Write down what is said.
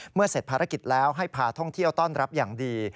เสร็จภารกิจแล้วให้พาท่องเที่ยวต้อนรับอย่างดี